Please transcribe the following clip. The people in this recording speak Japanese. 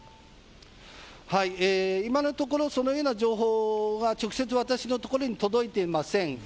今のところ、そのような情報は直接私のところに届いていません。